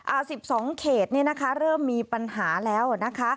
เอา๑๒เขตเนี่ยนะคะเริ่มมีปัญหาแล้วนะคะ